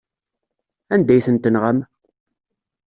Anda ay ten-tenɣam?